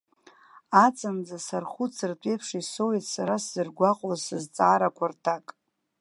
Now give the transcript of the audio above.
Аҵанӡа сархәыцыртә еиԥш исоуит сара сзыргәаҟуаз сызҵаарақәа рҭак.